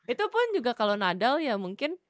itu pun juga kalau nadal ya mungkin